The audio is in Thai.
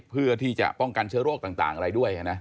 เพื่อที่จะป้องกันเชื้อโรคต่างอะไรด้วยนะ